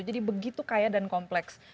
jadi begitu kaya dan kompleks